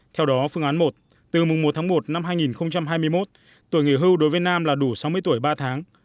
theo đó phương án một từ mùng một tháng một năm hai nghìn hai mươi một tuổi nghỉ hưu đối với nam là đủ sáu mươi tuổi ba tháng